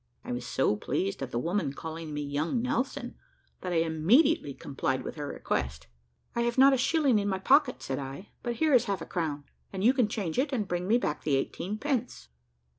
I was so pleased at the woman calling me young Nelson, that I immediately complied with her request. "I have not a shilling in my pocket," said I, "but here is half a crown, and you can change it, and bring me back the eighteen pence."